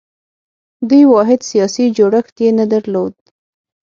دوی واحد سیاسي جوړښت یې نه درلود